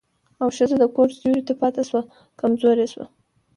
او ښځه چې د کور سيوري ته پاتې شوه، کمزورې شوه.